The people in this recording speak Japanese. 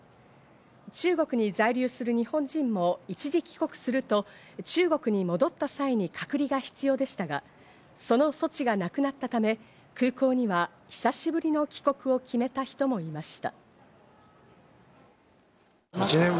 中国に在留する日本人も、一時帰国すると中国に戻った際に隔離が必要でしたが、その措置がなくなったため、空港には久しぶりの帰国を決めた人もいました。